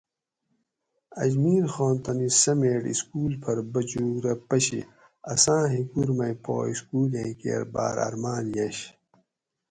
اجمیر خان تانی سمیٹ سکول پھر بچوگ رہ پشی اساں ہِکور مئی پا اسکولیں کیر باۤر ارماۤن ینش